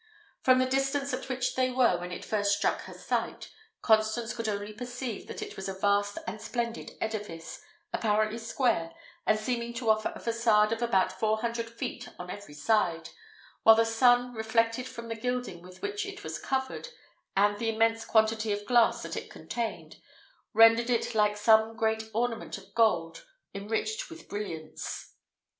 From the distance at which they were when it first struck her sight, Constance could only perceive that it was a vast and splendid edifice, apparently square, and seeming to offer a façade of about four hundred feet on every side, while the sun, reflected from the gilding with which it was covered, and the immense quantity of glass that it contained, rendered it like some great ornament of gold enriched with brilliants.